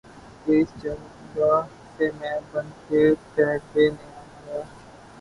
کہ اس جنگاہ سے میں بن کے تیغ بے نیام آیا